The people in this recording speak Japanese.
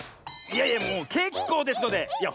いやいやもうけっこうですのでいや